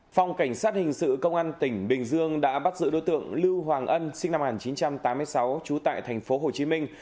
phòng cảnh sát hình sự công an tỉnh bình dương đã bắt giữ đối tượng lưu hoàng ân sinh năm một nghìn chín trăm tám mươi sáu trú tại thành phố hồ chí minh